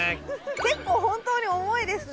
結構本当に重いですね。